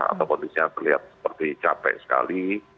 atau kondisinya terlihat seperti capek sekali